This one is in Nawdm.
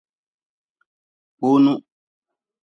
Kpoonu.